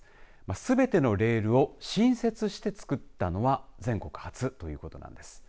すべてのレールを新設して作ったのは全国初ということなんです。